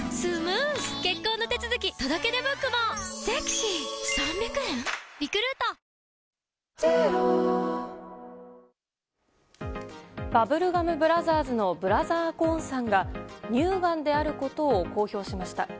サントリー「金麦」バブルガム・ブラザーズのブラザー・コーンさんが乳がんであることを公表しました。